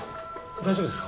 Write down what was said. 大丈夫ですか？